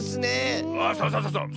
あそうそうそうそう。